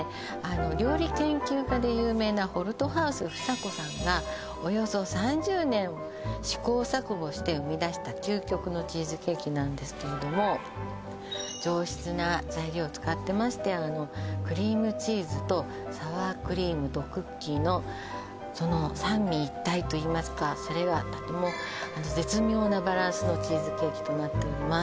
料理研究家で有名なホルトハウス房子さんがおよそ３０年試行錯誤して生み出した究極のチーズケーキなんですけれども上質な材料を使ってましてクリームチーズとサワークリームとクッキーのその三位一体といいますかそれがもう絶妙なバランスのチーズケーキとなっております